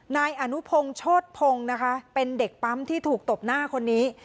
นายอนุพงศ์โชธพงศ์นะคะเป็นเด็กปั๊มที่ถูกตบหน้าคนนี้